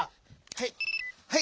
はい。